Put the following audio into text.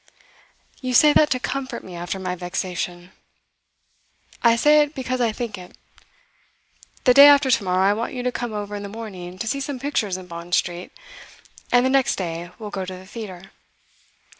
'You say that to comfort me after my vexation.' 'I say it because I think it. The day after to morrow I want you to come over in the morning to see some pictures in Bond Street. And the next day we'll go to the theatre.